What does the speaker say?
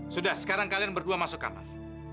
sudah sekarang kalian berdua masuk kamar